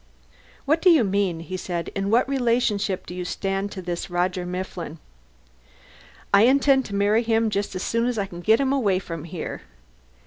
"What do you mean?" he said. "In what relationship do you stand to this Roger Mifflin?" "I intend to marry him just as soon as I can get him away from here."